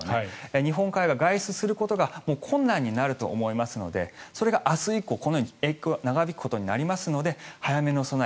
日本海側、外出することが困難になると思いますのでそれが明日以降、このように影響が長引くことになるので早めの備え